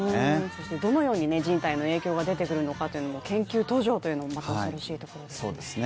そしてどのように人体への影響が出てくるのかというのも研究途上というのも、また恐ろしいところですね。